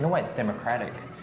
dalam hal yang demokratik